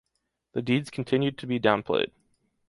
The deeds continued to be downplayed.